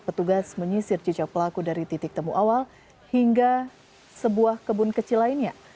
petugas menyisir jejak pelaku dari titik temu awal hingga sebuah kebun kecil lainnya